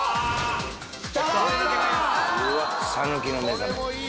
さぬきのめざめ。